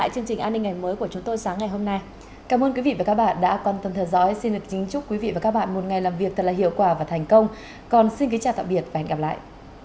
cảm ơn các bạn đã theo dõi và hẹn gặp lại